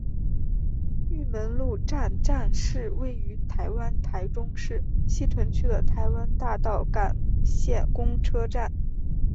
玉门路站站是位于台湾台中市西屯区的台湾大道干线公车站。